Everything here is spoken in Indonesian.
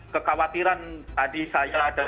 kekhawatiran tadi saya dan